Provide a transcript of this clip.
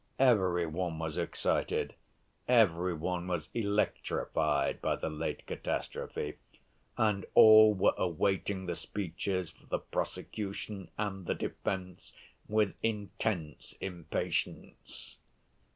Every one was excited, every one was electrified by the late catastrophe, and all were awaiting the speeches for the prosecution and the defense with intense impatience.